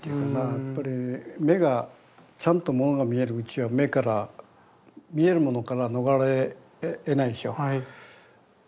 やっぱり目がちゃんとものが見えるうちは目から見えるものから逃れえないでしょう。